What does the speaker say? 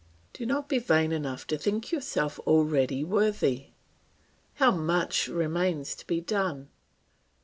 Do not be vain enough to think yourself already worthy. How much remains to be done!